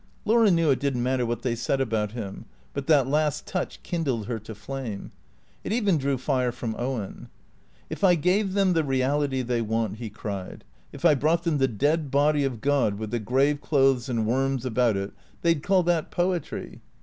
Laura knew it did n't matter what they said about him, but that last touch kindled her to flame. It even drew fire from Owen. " If I gave them the reality they want," he cried ;" if I brought them the dead body of God with the grave clothes and worms about it, they 'd call that poetry.